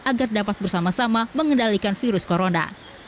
agar dapat bersama sama mengendalikan virus corona